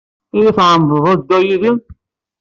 Ad iyi-tɛemmdeḍ ad dduɣ yid-m?